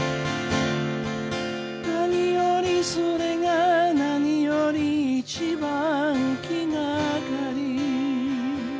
「何よりそれが何より一番気がかり」